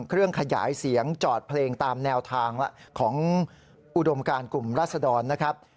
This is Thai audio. เครื่องขยายเสียงจอดเพลงตามแนวทางของอุดมการกลุ่มรัศดรนะครับ